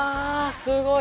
すごい！